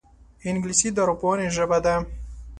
انګلیسي د ارواپوهنې ژبه ده